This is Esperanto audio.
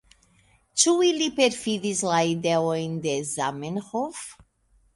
Ĉu ili perfidis la ideojn de Zamenhof?